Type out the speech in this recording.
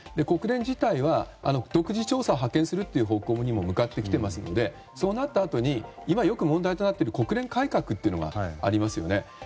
国連自体は独自調査を派遣するという方向にも向かってきてますのでそうなったあとに今よく問題となっている国連改革がありますね。